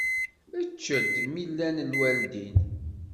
Ečč-d mi llan lwaldin.